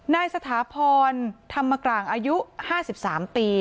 นายสถาพรธรรมกลางอายุ๕๓ปี